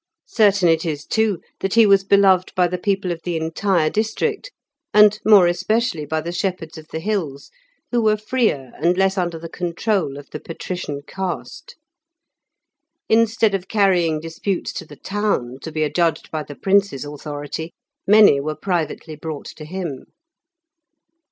Certain it is, too, that he was beloved by the people of the entire district, and more especially by the shepherds of the hills, who were freer and less under the control of the patrician caste. Instead of carrying disputes to the town, to be adjudged by the Prince's authority, many were privately brought to him.